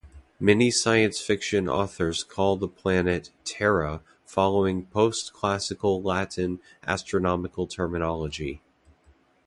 Many science fiction authors call the planet "Terra", following post-classical Latin astronomical terminology.